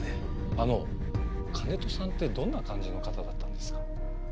あの金戸さんってどんな感じの方だったんですか？